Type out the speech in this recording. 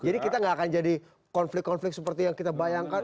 jadi kita gak akan jadi konflik konflik seperti yang kita bayangkan